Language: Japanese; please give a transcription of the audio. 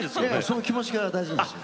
その気持ちが大事なんですよ。